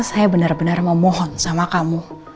saya benar benar memohon sama kamu